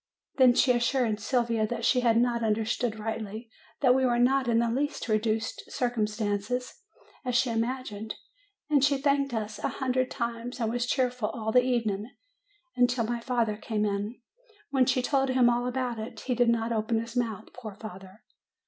Then she assured Sylvia that she had not understood rightly; that we were not in the least reduced circumstances, as she imagined. And she thanked us a hundred times, and was cheerful all the evening, until my father came in, when she told him all about it. He did not open his mouth, poor father